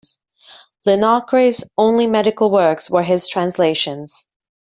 Linacre's only medical works were his translations.